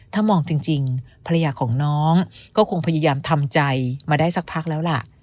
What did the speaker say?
ถ้ามองจริงภรรยาของน้องก็คงพยายามทำใจมาได้สักพักแล้วล่ะ